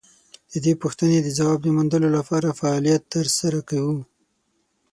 د دې پوښتنې د ځواب د موندلو لپاره فعالیت تر سره کوو.